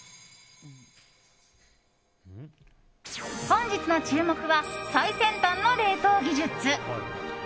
本日の注目は最先端の冷凍技術。